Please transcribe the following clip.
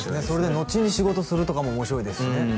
それで後に仕事するとかも面白いですしね